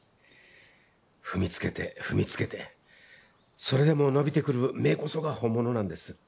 踏みつけて踏みつけてそれでも伸びてくる芽こそが本物なんです。